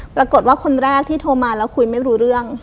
ปรากฏว่าคนแรกที่โทรมาแล้วคุยไม่รู้เรื่อง